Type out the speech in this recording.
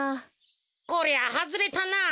こりゃはずれたな。